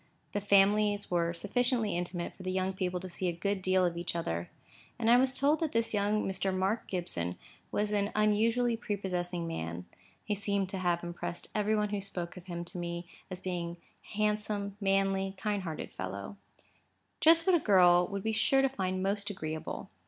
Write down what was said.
The families were sufficiently intimate for the young people to see a good deal of each other: and I was told that this young Mr. Mark Gibson was an unusually prepossessing man (he seemed to have impressed every one who spoke of him to me as being a handsome, manly, kind hearted fellow), just what a girl would be sure to find most agreeable.